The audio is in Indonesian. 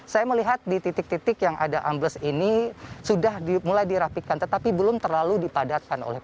saya melihat di titik titik yang ada ambles ini sudah mulai dirapikan tetapi belum terlalu dipadatkan oleh